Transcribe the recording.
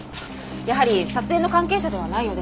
やはり撮影の関係者ではないようです。